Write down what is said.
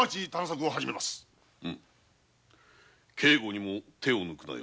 うむ警護にも手を抜くなよ。